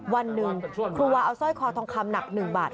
วันนึงครูวาเอาสร้อยคอช่วยทองคำหนักมาหนัก๑บาท